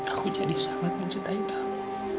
aku jadi sangat mencintai kamu